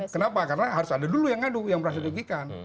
kenapa karena harus ada dulu yang ngadu yang merasa dirugikan